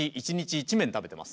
１麺食べてます。